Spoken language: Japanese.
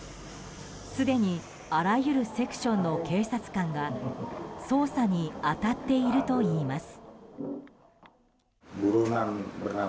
すでに、あらゆるセクションの警察官が捜査に当たっているといいます。